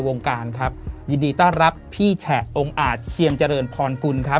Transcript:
วงการครับยินดีต้อนรับพี่แฉะองค์อาจเจียมเจริญพรกุลครับ